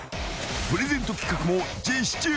［プレゼント企画も実施中！